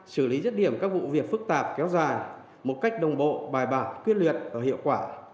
xử lý dứt điểm các vụ việc phức tạp kéo dài một cách đồng bộ bài bản quyết liệt và hiệu quả